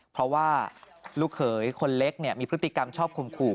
เพราะว่าลูกเขยคนเล็กมีพฤติกรรมชอบข่มขู่